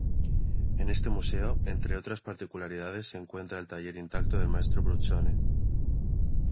En este museo, entre otras particularidades, se encuentra el taller intacto del Maestro Bruzzone.